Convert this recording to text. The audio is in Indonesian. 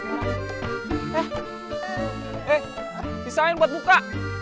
eh eh si sain buat buka